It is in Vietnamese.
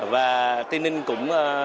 và tây ninh cũng